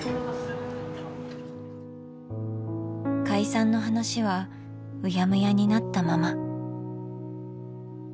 解散の話はうやむやになったまま。